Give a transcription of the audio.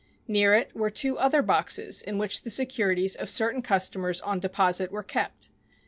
Near it were two other boxes in which the securities of certain customers on deposit were kept.